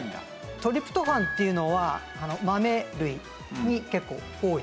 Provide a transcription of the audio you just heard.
トリプトファンっていうのは豆類に結構多い。